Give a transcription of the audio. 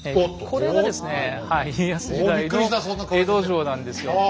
これがですねはい家康時代の江戸城なんですよ。